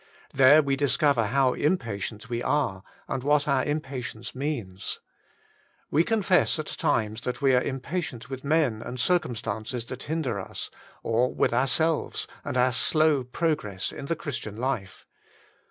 There we discover how impatient we are, and what our impatience means. We confess at times that we are im patient with men and circumstances that hinder us, or with ourselves and our slow progress in the Christian life.